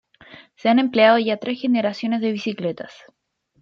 Se han empleado ya tres generaciones de bicicletas.